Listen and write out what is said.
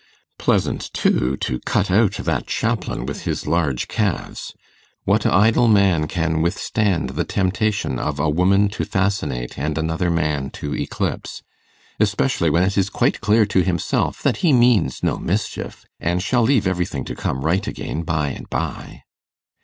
Pleasant, too, to cut out that chaplain with his large calves! What idle man can withstand the temptation of a woman to fascinate, and another man to eclipse? especially when it is quite clear to himself that he means no mischief, and shall leave everything to come right again by and by?